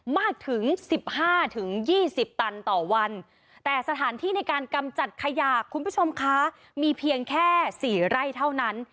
มากถึง๑๕๒๐ตันต่อวันแต่สถานที่ในการกำจัดขยะคุณผู้ชมคะมีเพียงแค่๔ไร่เท่านั้น